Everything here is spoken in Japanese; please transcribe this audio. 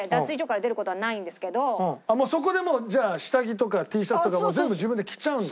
そこでもうじゃあ下着とかＴシャツとか全部自分で着ちゃうんだ？